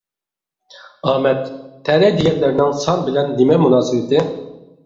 ئامەت، تەلەي دېگەنلەرنىڭ سان بىلەن نېمە مۇناسىۋىتى.